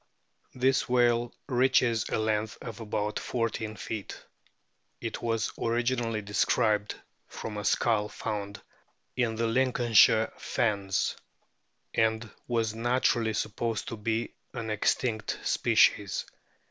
\ This whale reaches a length of about fourteen feet. It was originally de scribed from a skull found in the Lincolnshire fens, and was naturally supposed to be an extinct species.